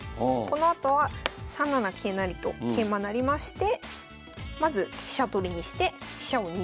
このあとは３七桂成と桂馬成りましてまず飛車取りにして飛車を逃げる。